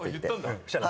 そしたら？